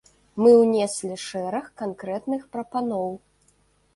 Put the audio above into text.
Мы ўнеслі шэраг канкрэтных прапаноў.